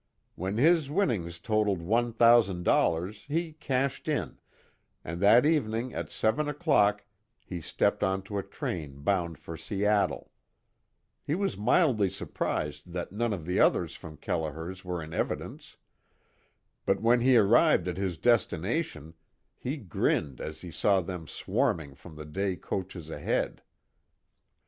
When his innings totaled one thousand dollars he cashed in, and that evening at seven o'clock he stepped onto a train bound for Seattle. He was mildly surprised that none of the others from Kelliher's were in evidence. But when he arrived at his destination he grinned as he saw them swarming from the day coaches ahead.